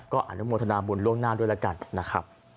ก็อนุโมทนาบุญล่วงหน้าด้วยแล้วกันนะครับ